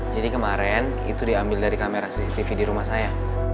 jadi kemarin itu diambil dari kamera cctv di rumah saya